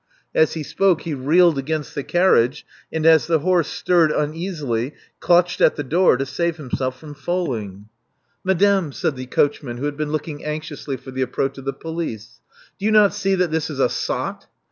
As he spoke he reeled against the carriage, and, as the horse stirred uneasily, clutched at the door to save himself from falling. Love Among the Artists 347 "Madame," said the coachman, who had been look ing anxiously for the approach of the police: do you not see that this is a sot?